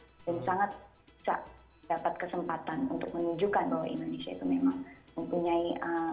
dan sangat bisa dapat kesempatan untuk menunjukkan bahwa indonesia itu memang mempunyai